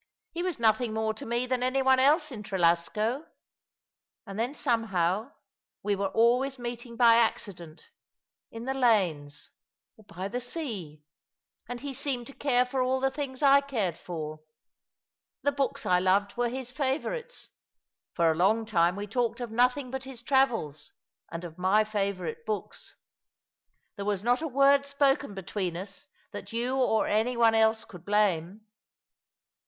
He was nothing more to me than any one else in Trelasco — and then some how we were always meeting by accident — in the lanes — or by the sea — and he seemed to care for all the things I cared for. The books I loved were his favourites. For a long time we talked of nothing but his travels, and of my favourite books. There was not a word spoken between us that you or any one else could blame."